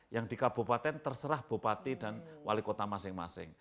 yang di kabupaten terserah bupati dan wali kota masing masing